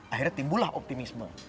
akhirnya timbulah optimisme